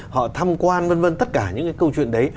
họ tham quan vân vân tất cả những cái câu chuyện đấy